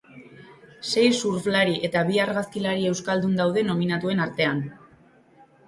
Sei surflari eta bi argazkilari euskaldun daude nominatuen artean.